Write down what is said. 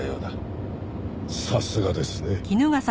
さすがですね。